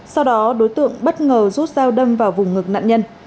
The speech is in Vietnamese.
sau đó đối tượng bất ngờ rút dao đâm vào vùng ngực nạn nhân